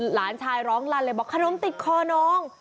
หลานชายร้องลั่นเลยบอกขนมติดคอน้อง